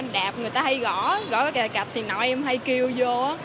đạp người ta hay gõ